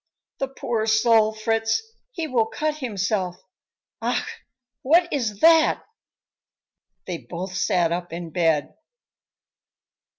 "The poor soul, Fritz, he will cut himself. Ach! what is that?" They both sat up in bed.